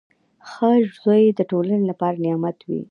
• ښه زوی د ټولنې لپاره نعمت وي.